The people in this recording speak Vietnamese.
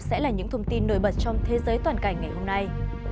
sẽ là những thông tin nổi bật trong thế giới toàn cảnh ngày hôm nay